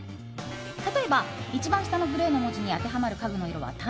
例えば、一番下のグレーの文字に当てはまる家具の色は、棚。